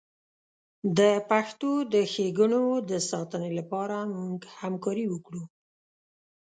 د پښتو د ښیګڼو د ساتنې لپاره موږ همکاري وکړو.